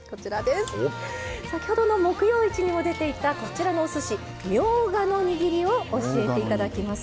先ほどの木曜市にも出ていたおすしみょうがのにぎりを教えていただきます。